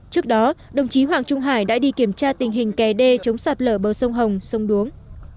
trước đó đồng chí hoàng trung hải đã đi kiểm tra tình hình kè đê chống sạt lở bờ sông hồng sông đuống